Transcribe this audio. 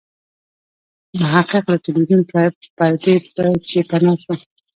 محقق له ټلویزیون پردې چې پناه شو.